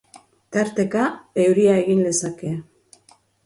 Tarteka, euria egin lezake.